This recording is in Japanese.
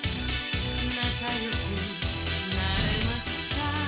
「なかよくなれますか」